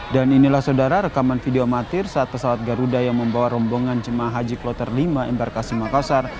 dan inilah saudara rekaman video amatir saat pesawat garuda yang membawa rombongan jemaah haji kloter v embarkasi makassar